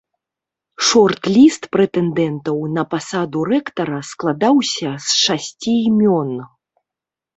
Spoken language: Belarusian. Шорт-ліст прэтэндэнтаў на пасаду рэктара складаўся з шасці імён.